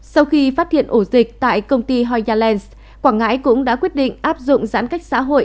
sau khi phát hiện ổ dịch tại công ty hoi yalence quảng ngãi cũng đã quyết định áp dụng giãn cách xã hội